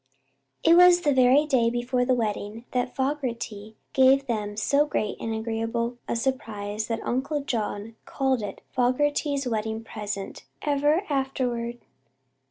It was the very day before the wedding that Fogerty gave them so great and agreeable a surprise that Uncle John called it "Fogerty's Wedding Present" ever afterward.